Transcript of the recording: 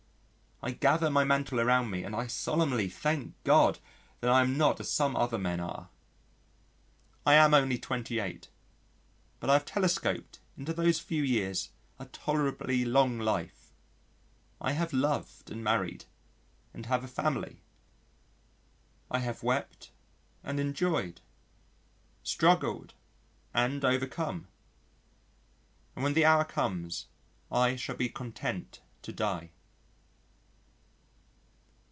I gather my mantle around me and I solemnly thank God that I am not as some other men are. I am only twenty eight, but I have telescoped into those few years a tolerably long life: I have loved and married, and have a family; I have wept and enjoyed; struggled and overcome, and when the hour comes I shall be content to die.